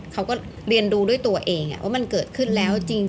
เขาก็เรียนดูด้วยตัวเองว่ามันเกิดขึ้นแล้วจริง